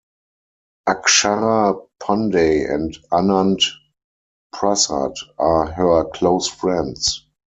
Akshara pandey and Anand Prasad are her close friends.